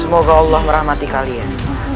semoga allah merahmati kalian